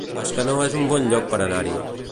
Bescanó es un bon lloc per anar-hi